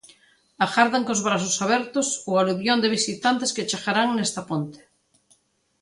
Agardan cos brazos abertos o aluvión de visitantes que chegarán nesta ponte.